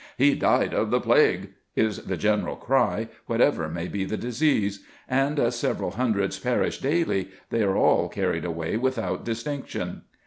" He died of the plague," is the general cry, whatever may be the disease ; and as several hundreds perish daily, they are all carried away without distinction.